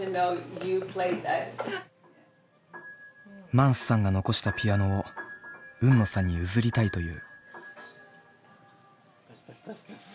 マンスさんが残したピアノを海野さんに譲りたいという。